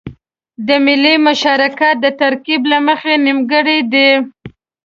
د ملي مشارکت د ترکيب له مخې نيمګړی دی.